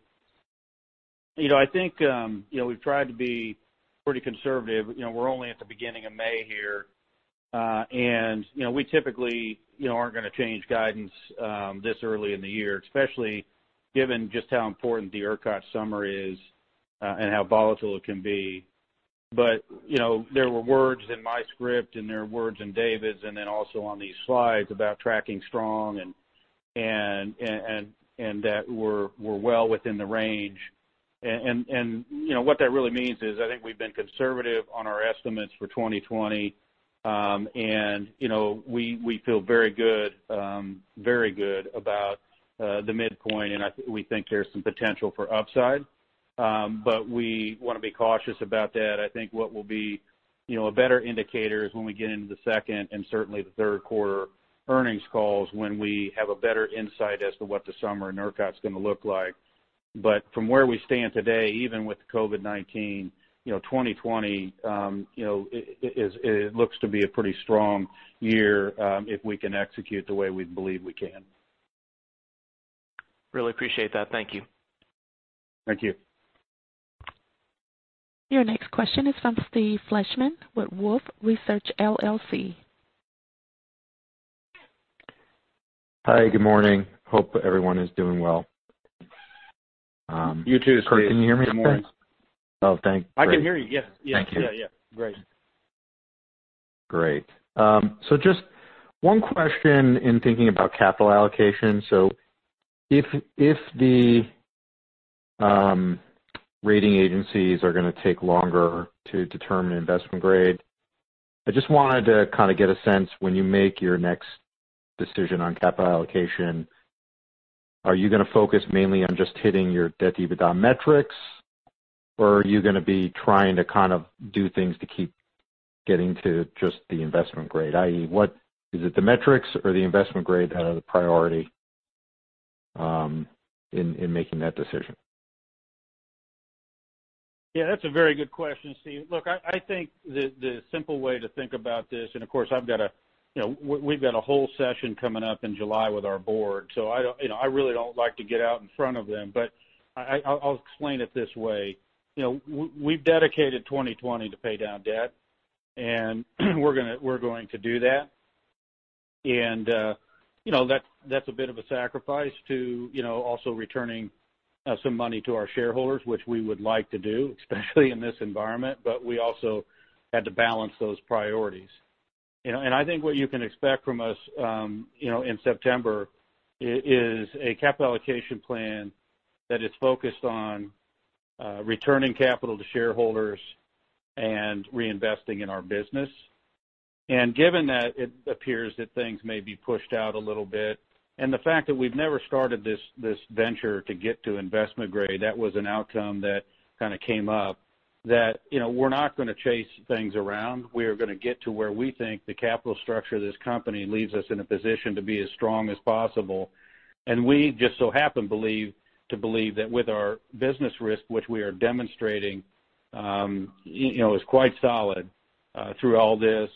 I think we've tried to be pretty conservative. We're only at the beginning of May here. We typically aren't going to change guidance this early in the year, especially given just how important the ERCOT summer is and how volatile it can be. There were words in my script and there are words in David's, and then also on these slides about tracking strong and that we're well within the range. What that really means is I think we've been conservative on our estimates for 2020. We feel very good about the midpoint, and we think there's some potential for upside. We want to be cautious about that. I think what will be a better indicator is when we get into the second and certainly the third-quarter earnings calls when we have a better insight as to what the summer in ERCOT is going to look like. From where we stand today, even with COVID-19, 2020 looks to be a pretty strong year if we can execute the way we believe we can. Really appreciate that. Thank you. Thank you. Your next question is from Steve Fleishman with Wolfe Research, LLC. Hi, good morning. Hope everyone is doing well. You too, Steve. Good morning. Curt, can you hear me okay? Oh, thanks. Great. I can hear you. Yeah. Thank you. Yeah. Great. Great. Just one question in thinking about capital allocation. If the rating agencies are going to take longer to determine investment grade, I just wanted to kind of get a sense when you make your next decision on capital allocation, are you going to focus mainly on just hitting your debt-EBITDA metrics, or are you going to be trying to kind of do things to keep getting to just the investment grade, i.e., is it the metrics or the investment grade that are the priority in making that decision? Yeah, that's a very good question, Steve. Look, I think the simple way to think about this, and of course, we've got a whole session coming up in July with our Board. I really don't like to get out in front of them, but I'll explain it this way. We've dedicated 2020 to pay down debt, and we're going to do that. That's a bit of a sacrifice to also returning some money to our shareholders, which we would like to do, especially in this environment. We also had to balance those priorities. I think what you can expect from us in September is a capital allocation plan that is focused on returning capital to shareholders and reinvesting in our business. Given that it appears that things may be pushed out a little bit, and the fact that we've never started this venture to get to investment grade, that was an outcome that kind of came up that we're not going to chase things around. We are going to get to where we think the capital structure of this company leaves us in a position to be as strong as possible. We just so happen to believe that with our business risk, which we are demonstrating is quite solid through all this.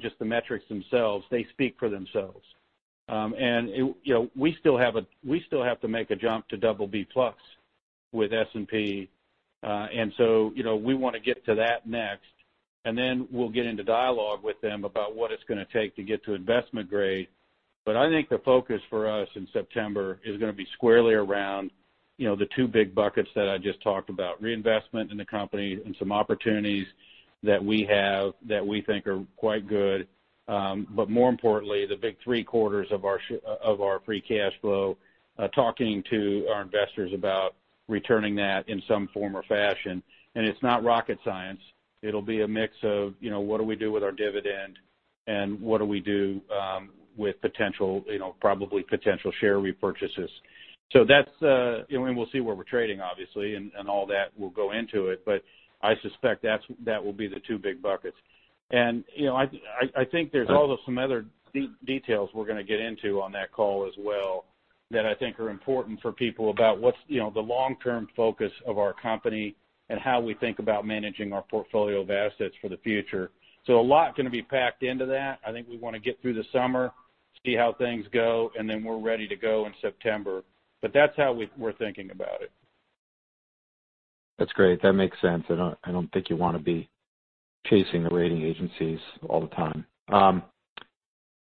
Just the metrics themselves, they speak for themselves. We still have to make a jump to BB+ with S&P. We want to get to that next, and then we'll get into dialogue with them about what it's going to take to get to investment grade. I think the focus for us in September is going to be squarely around the two big buckets that I just talked about. Reinvestment in the company and some opportunities that we have that we think are quite good. More importantly, the big three-quarters of our free cash flow, talking to our investors about returning that in some form or fashion. It's not rocket science. It'll be a mix of what do we do with our dividend and what do we do with probably potential share repurchases. We'll see where we're trading, obviously, and all that will go into it. I suspect that will be the two big buckets. I think there's also some other details we're going to get into on that call as well that I think are important for people about what's the long-term focus of our company and how we think about managing our portfolio of assets for the future. A lot going to be packed into that. I think we want to get through the summer, see how things go, and then we're ready to go in September. That's how we're thinking about it. That's great. That makes sense. I don't think you want to be chasing the rating agencies all the time.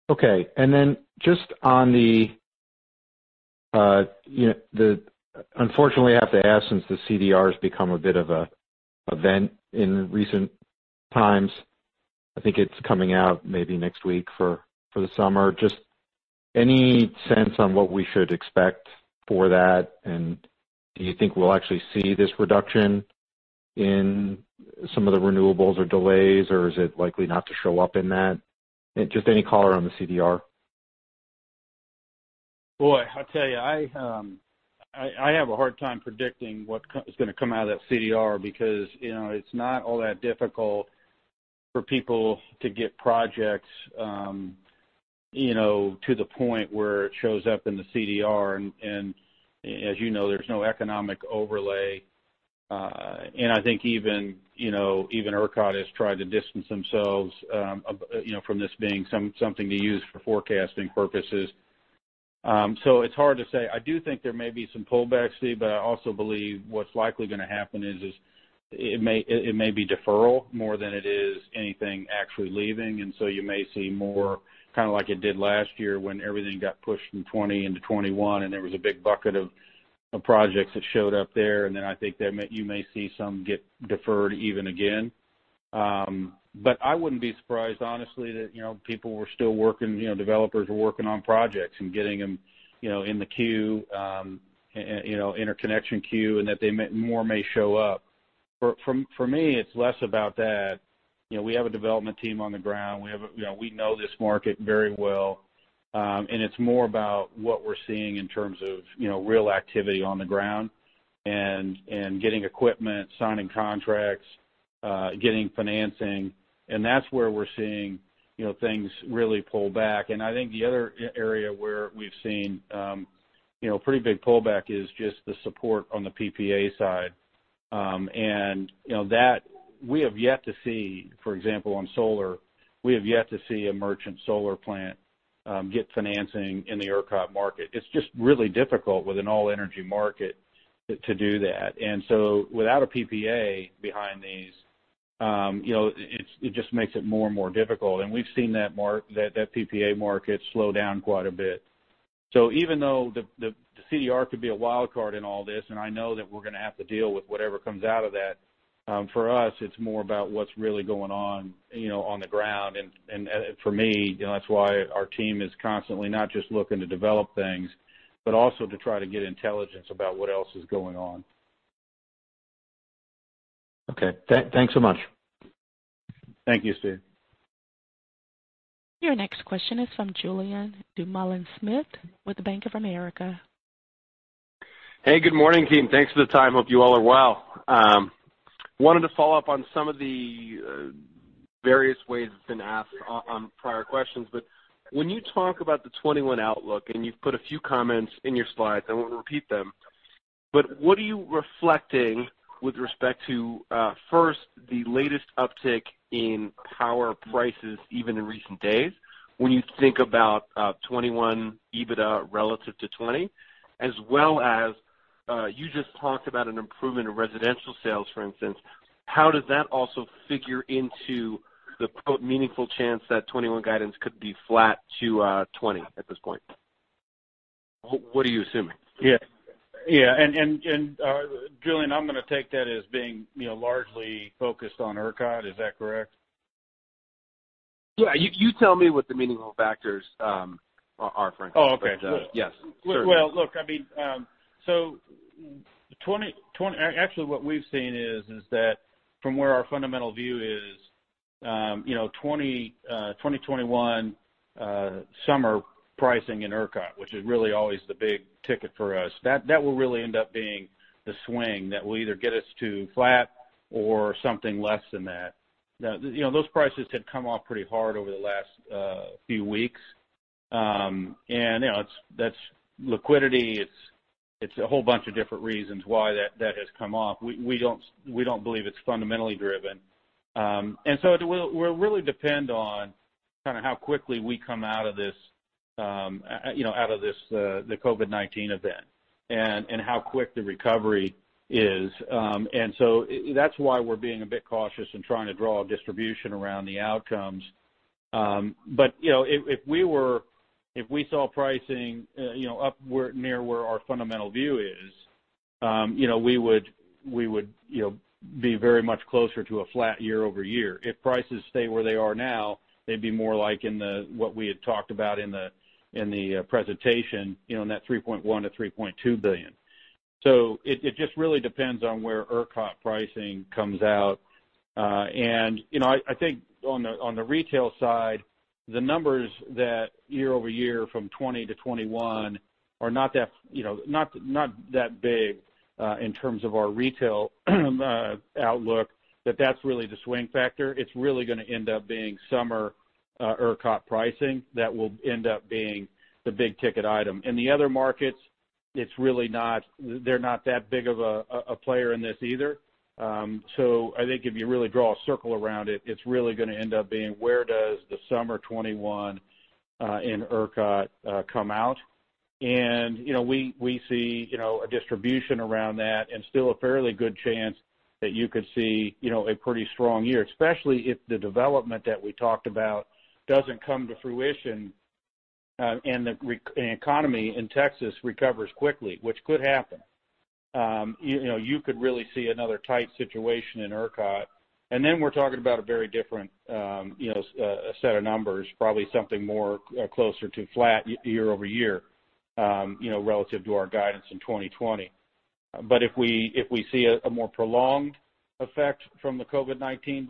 Okay. Unfortunately, I have to ask, since the CDR has become a bit of an event in recent times. I think it's coming out maybe next week for the summer. Just any sense on what we should expect for that, and do you think we'll actually see this reduction in some of the renewables or delays, or is it likely not to show up in that? Just any color on the CDR. Boy, I tell you, I have a hard time predicting what is going to come out of that CDR because it's not all that difficult for people to get projects to the point where it shows up in the CDR. As you know, there's no economic overlay. I think even ERCOT has tried to distance themselves from this being something to use for forecasting purposes. It's hard to say. I do think there may be some pullbacks, Steve, but I also believe what's likely going to happen is, it may be deferral more than it is anything actually leaving. You may see more, kind of like it did last year when everything got pushed from 2020 into 2021 and there was a big bucket of projects that showed up there. I think that you may see some get deferred even again. I wouldn't be surprised, honestly, that people were still working, developers were working on projects and getting them in the queue, interconnection queue, and that more may show up. For me, it's less about that. We have a development team on the ground. We know this market very well. It's more about what we're seeing in terms of real activity on the ground and getting equipment, signing contracts, getting financing. That's where we're seeing things really pull back. I think the other area where we've seen a pretty big pullback is just the support on the PPA side. We have yet to see, for example, on solar, we have yet to see a merchant solar plant get financing in the ERCOT market. It's just really difficult with an all-energy market to do that. Without a PPA behind these, it just makes it more and more difficult. We've seen that PPA market slow down quite a bit. Even though the CDR could be a wild card in all this, and I know that we're going to have to deal with whatever comes out of that. For us, it's more about what's really going on the ground. For me, that's why our team is constantly not just looking to develop things, but also to try to get intelligence about what else is going on. Okay. Thanks so much. Thank you, Steve. Your next question is from Julien Dumoulin-Smith with Bank of America. Hey, good morning, team. Thanks for the time. Hope you all are well. When you talk about the 2021 outlook, and you've put a few comments in your slides, I won't repeat them, but what are you reflecting with respect to, first, the latest uptick in power prices, even in recent days, when you think about 2021 EBITDA relative to 2020? As well as you just talked about an improvement in residential sales, for instance. How does that also figure into the meaningful chance that 2021 guidance could be flat to 2020 at this point? What are you assuming? Yeah. Julien, I'm going to take that as being largely focused on ERCOT. Is that correct? Yeah. You tell me what the meaningful factors are for it. Oh, okay. Yes. Well, look, actually, what we've seen is that from where our fundamental view is 2021 summer pricing in ERCOT, which is really always the big ticket for us. That will really end up being the swing that will either get us to flat or something less than that. Those prices have come off pretty hard over the last few weeks. That's liquidity. It's a whole bunch of different reasons why that has come off. We don't believe it's fundamentally driven. It will really depend on kind of how quickly we come out of the COVID-19 event, and how quick the recovery is. That's why we're being a bit cautious in trying to draw a distribution around the outcomes. If we saw pricing near where our fundamental view is, we would be very much closer to a flat year-over-year. If prices stay where they are now, they'd be more like in what we had talked about in the presentation, in that $3.1 billion-$3.2 billion. It just really depends on where ERCOT pricing comes out. I think on the retail side, the numbers that year-over-year from 2020-2021 are not that big in terms of our retail outlook, that's really the swing factor. It's really going to end up being summer ERCOT pricing that will end up being the big-ticket item. In the other markets, they're not that big of a player in this either. I think if you really draw a circle around it's really going to end up being, where does the summer 2021 in ERCOT come out? We see a distribution around that and still a fairly good chance that you could see a pretty strong year, especially if the development that we talked about doesn't come to fruition, and the economy in Texas recovers quickly, which could happen. You could really see another tight situation in ERCOT. Then we're talking about a very different set of numbers, probably something more closer to flat year-over-year relative to our guidance in 2020. If we see a more prolonged effect from the COVID-19,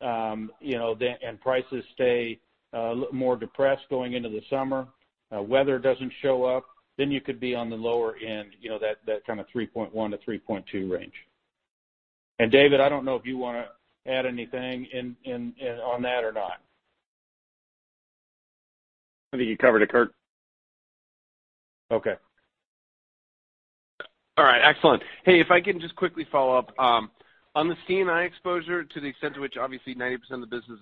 and prices stay a little more depressed going into the summer, weather doesn't show up, then you could be on the lower end, that kind of $3.1 billion-$3.2 billion range. David, I don't know if you want to add anything in on that or not. I think you covered it, Curt. Okay. All right. Excellent. Hey, if I can just quickly follow up. On the C&I exposure to the extent to which obviously 90% of the business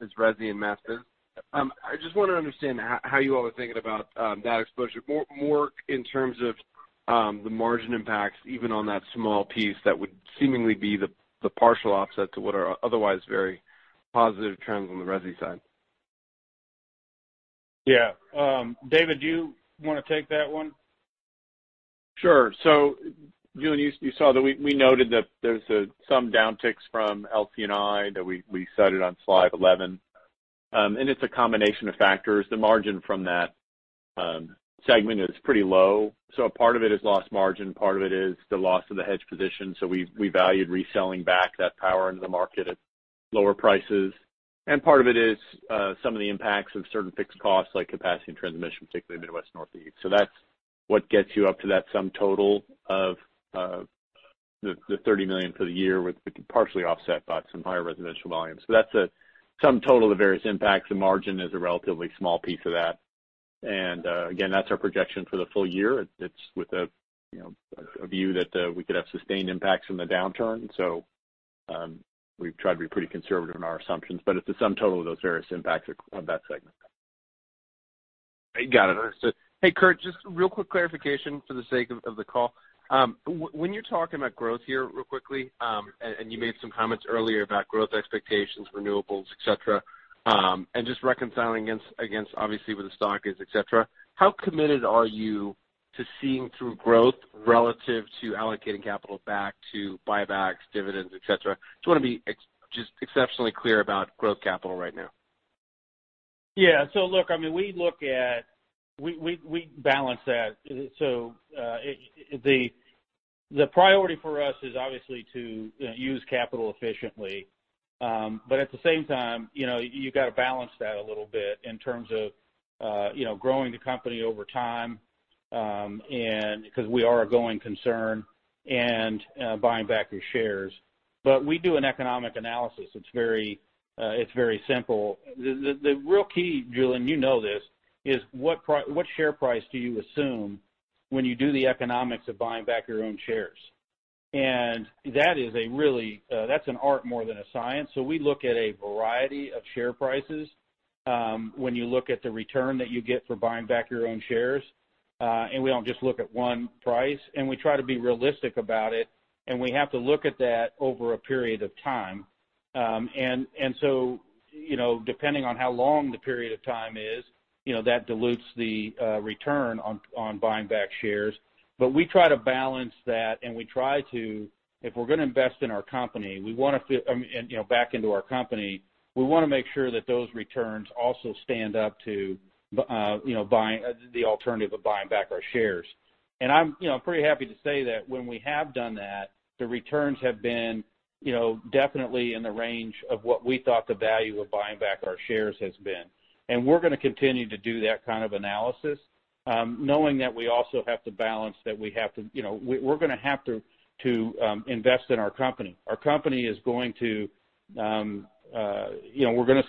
is resi and master, I just want to understand how you all are thinking about that exposure more in terms of the margin impacts, even on that small piece that would seemingly be the partial offset to what are otherwise very positive trends on the resi side. Yeah. David, do you want to take that one? Sure. Julien, you saw that we noted that there's some downticks from LC&I that we cited on slide 11. It's a combination of factors. The margin from that segment is pretty low. A part of it is lost margin. Part of it is the loss of the hedge position. We valued reselling back that power into the market at lower prices. Part of it is some of the impacts of certain fixed costs like capacity and transmission, particularly Midwest, Northeast. That's what gets you up to that sum total of the $30 million for the year, which we can partially offset by some higher residential volumes. That's a sum total of the various impacts. The margin is a relatively small piece of that. Again, that's our projection for the full year. It's with a view that we could have sustained impacts from the downturn. We've tried to be pretty conservative in our assumptions, but it's the sum total of those various impacts on that segment. Got it. Hey, Curt, just real quick clarification for the sake of the call. When you're talking about growth here real quickly, and you made some comments earlier about growth expectations, renewables, et cetera, and just reconciling against obviously where the stock is, et cetera. How committed are you to seeing through growth relative to allocating capital back to buybacks, dividends, et cetera? Just want to be just exceptionally clear about growth capital right now. Look, we balance that. The priority for us is obviously to use capital efficiently. At the same time, you've got to balance that a little bit in terms of growing the company over time, because we are a going concern and buying back your shares. We do an economic analysis. It's very simple. The real key, Julien, you know this, is what share price do you assume when you do the economics of buying back your own shares? That's an art more than a science. We look at a variety of share prices. When you look at the return that you get for buying back your own shares, and we don't just look at one price, and we try to be realistic about it, and we have to look at that over a period of time. Depending on how long the period of time is, that dilutes the return on buying back shares. We try to balance that, and if we're going to invest back into our company, we want to make sure that those returns also stand up to the alternative of buying back our shares. I'm pretty happy to say that when we have done that, the returns have been definitely in the range of what we thought the value of buying back our shares has been. We're going to continue to do that kind of analysis, knowing that we also have to balance that we're going to have to invest in our company. Our company we're going to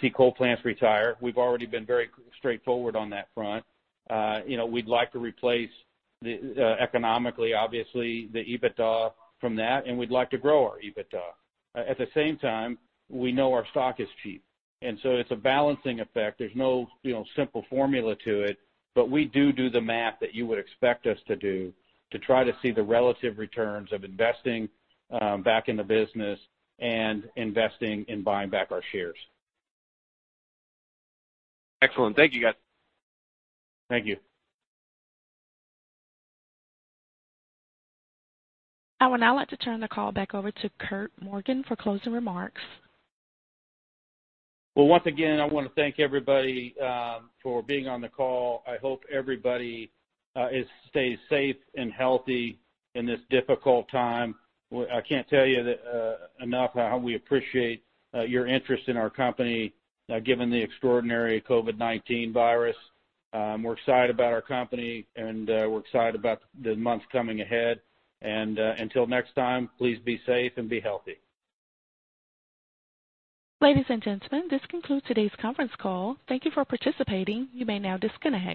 see coal plants retire. We've already been very straightforward on that front. We'd like to replace economically, obviously, the EBITDA from that, and we'd like to grow our EBITDA. At the same time, we know our stock is cheap. It's a balancing effect. There's no simple formula to it. We do the math that you would expect us to do to try to see the relative returns of investing back in the business and investing in buying back our shares. Excellent. Thank you, guys. Thank you. I would now like to turn the call back over to Curt Morgan for closing remarks. Well, once again, I want to thank everybody for being on the call. I hope everybody stays safe and healthy in this difficult time. I can't tell you enough how we appreciate your interest in our company, given the extraordinary COVID-19 virus. We're excited about our company, and we're excited about the months coming ahead. Until next time, please be safe and be healthy. Ladies and gentlemen, this concludes today's conference call. Thank you for participating. You may now disconnect.